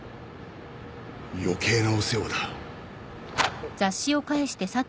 余計なお世話だ。